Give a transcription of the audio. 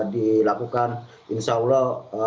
dilakukan insya allah